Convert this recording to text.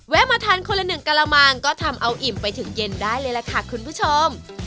มาทานคนละหนึ่งกระมังก็ทำเอาอิ่มไปถึงเย็นได้เลยล่ะค่ะคุณผู้ชม